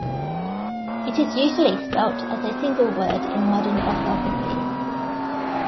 It is usually spelt as a single word in modern orthography.